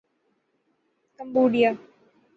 Cambodia